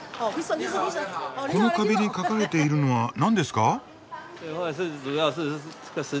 この壁に描かれているのは何ですか？